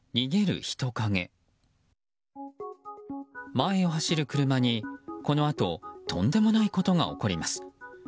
前を走る車に、このあととんでもないことが起こります。